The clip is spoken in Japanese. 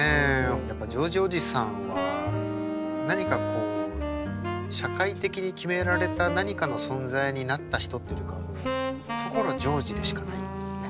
やっぱジョージおじさんは何かこう社会的に決められた何かの存在になった人っていうよりかはもう所ジョージでしかないっていうね。